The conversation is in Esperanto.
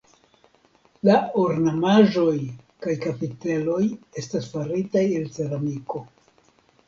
La ornamaĵoj kaj kapiteloj estas faritaj el ceramiko.